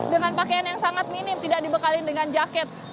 dengan pakaian yang sangat minim tidak dibekali dengan jaket